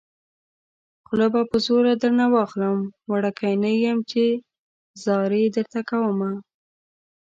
خوله به په زوره درنه واخلم وړوکی نه يم چې ځاري درته کومه